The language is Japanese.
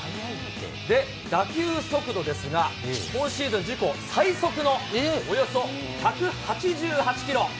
で、打球速度ですが、今シーズン自己最速のおよそ１８８キロ。